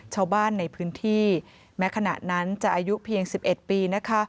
ชาวบ้านในพื้นที่แม้ขณะนั้นจะอายุเพียง๑๑ปีนะคะ